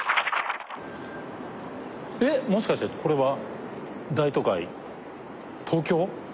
えっもしかしてこれは大都会東京？